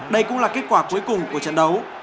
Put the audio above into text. đây cũng là kết quả cuối cùng của trận đấu